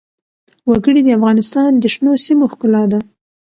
وګړي د افغانستان د شنو سیمو ښکلا ده.